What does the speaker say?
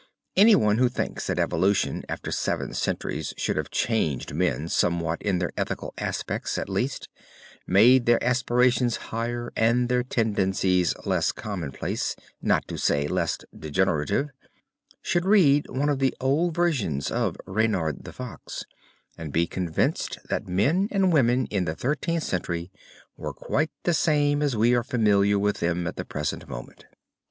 Any one who thinks that evolution after seven centuries should have changed men somewhat in their ethical aspects, at least, made their aspirations higher and their tendencies less commonplace, not to say less degenerative, should read one of the old versions of Reynard the Fox and be convinced that men and women in the Thirteenth Century were quite the same as we are familiar with them at the present moment.